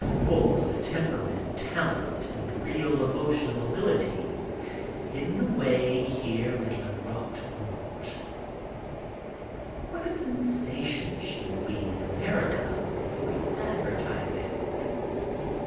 Full of temperament, talent and real emotional ability, hidden away here in Le Rate Mort. What a sensation she would be in America with a little advertising.